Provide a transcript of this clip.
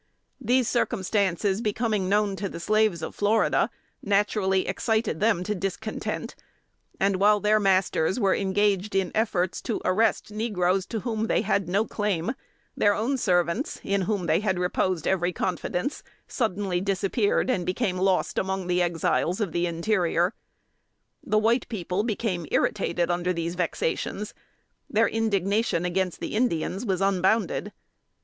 These circumstances becoming known to the slaves of Florida, naturally excited them to discontent; and while their masters were engaged in efforts to arrest negroes to whom they had no claim, their own servants in whom they had reposed every confidence, suddenly disappeared and became lost among the Exiles of the interior. The white people became irritated under these vexations. Their indignation against the Indians was unbounded.